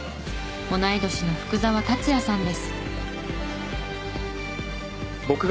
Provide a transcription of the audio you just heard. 同い年の福澤達哉さんです。